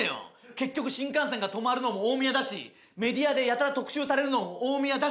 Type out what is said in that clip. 結局新幹線が止まるのも大宮だしメディアでやたら特集されるのも大宮だし